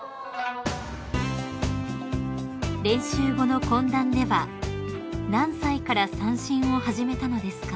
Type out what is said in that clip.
［練習後の懇談では「何歳から三線を始めたのですか？」